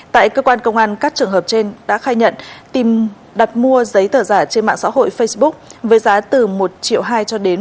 tại cơ quan công an các trường hợp trên đã khai nhận tìm đặt mua giấy tờ giả trên mạng xã hội facebook với giá từ một triệu hai cho đến một triệu ba trăm linh ngàn đồng